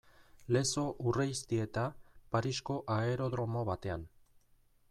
Lezo Urreiztieta Parisko aerodromo batean.